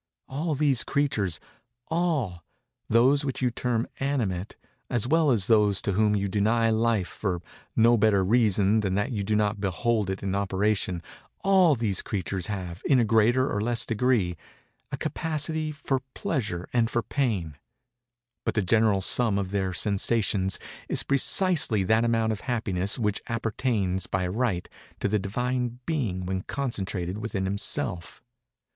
All these creatures—all—those which you term animate, as well as those to whom you deny life for no better reason than that you do not behold it in operation—all these creatures have, in a greater or less degree, a capacity for pleasure and for pain:—_but the general sum of their sensations is precisely that amount of Happiness which appertains by right to the Divine Being when concentrated within Himself_.